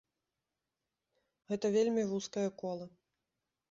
Гэта вельмі вузкае кола.